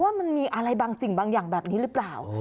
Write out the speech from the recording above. มันมีอะไรบางสิ่งบางอย่างแบบนี้หรือเปล่า